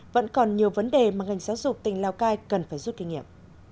vẫn còn nhiều vấn đề mà ngành giáo dục tỉnh lào cai cần phải rút kinh nghiệm